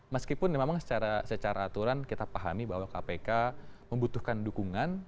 meskipun memang secara aturan kita pahami bahwa kpk membutuhkan dukungan